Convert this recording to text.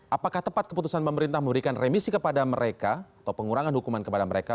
apakah tepat keputusan pemerintah memberikan remisi kepada mereka atau pengurangan hukuman kepada mereka